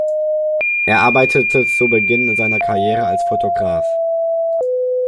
Er arbeitete zu Beginn seiner Karriere als Fotograf.